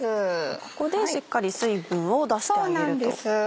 ここでしっかり水分を出してあげると。